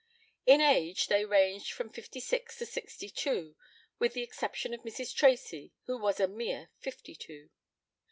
In age they ranged from fifty six to sixty two, with the exception of Mrs. Tracy, who was a mere fifty two.